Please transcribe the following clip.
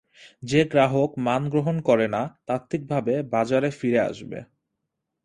যে গ্রাহক মান গ্রহণ করে না, তাত্ত্বিকভাবে, বাজারে ফিরে আসবে।